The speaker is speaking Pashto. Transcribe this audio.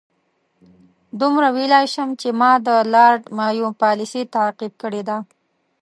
دومره ویلای شم چې ما د لارډ مایو پالیسي تعقیب کړې ده.